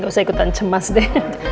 gak usah ikutan cemas deh